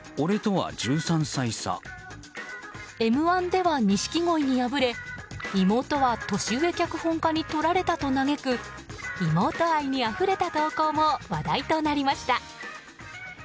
「Ｍ‐１」では錦鯉に敗れ妹は年上脚本家にとられたと嘆く妹愛にあふれた投稿も話題となりました。